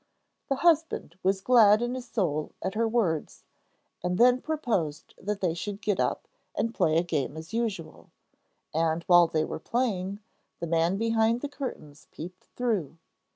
The husband was glad in his soul at her words, and then proposed that they should get up and play a game as usual; and, while they were playing, the man behind the curtains peeped through.